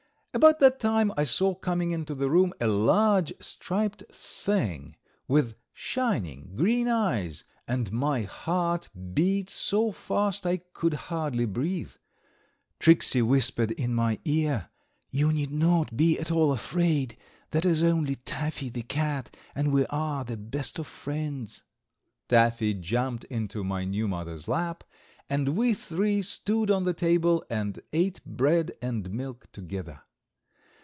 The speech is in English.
About that time I saw coming into the room a large, striped thing, with shining, green eyes, and my heart beat so fast I could hardly breathe. Tricksey whispered in my ear: "You need not be at all afraid; that is only Taffy, the cat, and we are the best of friends." Taffy jumped into my new mother's lap, and we three stood on the table and ate bread and milk together.